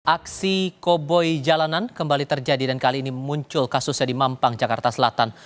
aksi koboi jalanan kembali terjadi dan kali ini muncul kasusnya di mampang jakarta selatan